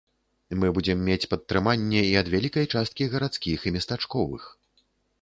Мы будзем мець падтрыманне і ад вялікай часткі гарадскіх і местачковых.